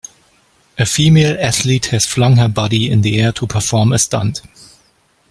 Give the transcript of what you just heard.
A female athlete has flung her body in the air to perform a stunt.